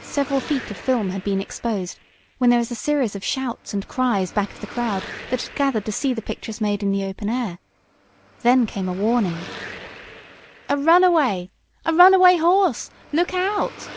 Several feet of film had been exposed, when there was a series of shouts and cries back of the crowd that had gathered to see the pictures made in the open air. Then came a warning: "A runaway! A runaway horse! Look out!"